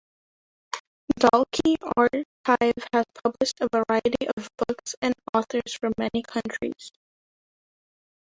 Dalkey Archive has published a variety of books and authors from many countries.